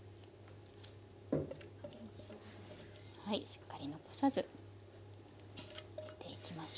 しっかり残さず盛っていきましょう。